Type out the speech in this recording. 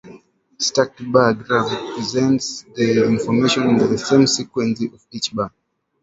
Stacked bar graphs present the information in the same sequence on each bar.